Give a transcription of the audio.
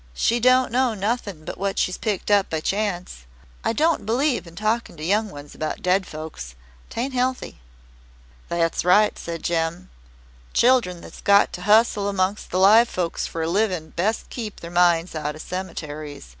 "She don't know nothing but what she's picked up by chance. I don't believe in talkin' to young ones about dead folks. 'Tain't healthy." "That's right," said Jem. "Children that's got to hustle about among live folks for a livin' best keep their minds out of cemeteries.